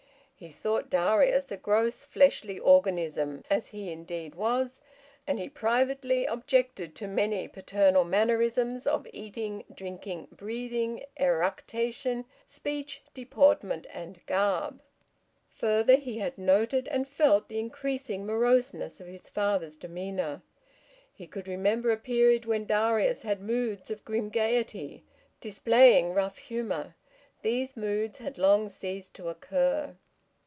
He thought Darius a gross fleshly organism, as he indeed was, and he privately objected to many paternal mannerisms, of eating, drinking, breathing, eructation, speech, deportment, and garb. Further, he had noted, and felt, the increasing moroseness of his father's demeanour. He could remember a period when Darius had moods of grim gaiety, displaying rough humour; these moods had long ceased to occur.